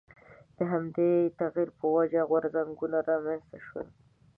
د همدې تغییر په وجه غورځنګونه رامنځته شول.